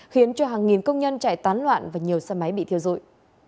khiến cho hàng nghìn công nhân chạy tán loạn và nhiều xe máy bị thiêu dụi